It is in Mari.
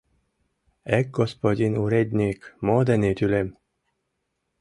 Эк, господин уредньык, мо дене тӱлем?